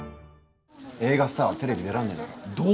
映画スターはテレビ出らんないんだよ。